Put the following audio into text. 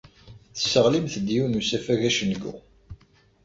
Tesseɣlimt-d yiwen n usafag acengu.